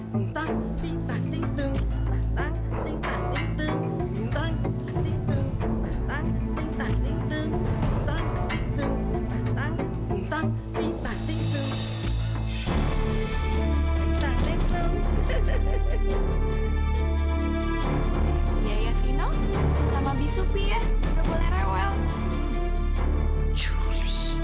ya ya kino sama bisupi ya boleh boleh rewel